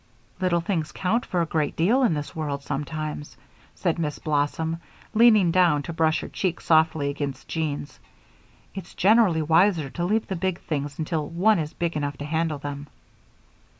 "Little things count for a great deal in this world, sometimes," said Miss Blossom, leaning down to brush her cheek softly against Jean's. "It's generally wiser to leave the big things until one is big enough to handle them."